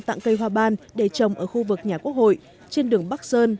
tặng cây hoa ban để trồng ở khu vực nhà quốc hội trên đường bắc sơn